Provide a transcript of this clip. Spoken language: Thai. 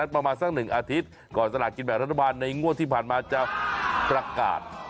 ประมาณสัก๑อาทิตย์ก่อนสลากกินแบ่งรัฐบาลในงวดที่ผ่านมาจะประกาศ